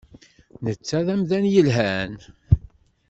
Netta d amdan yelhan.